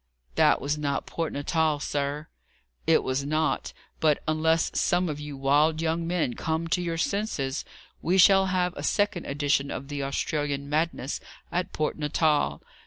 "That was not Port Natal, sir." "It was not. But, unless some of you wild young men come to your senses, we shall have a second edition of the Australian madness at Port Natal.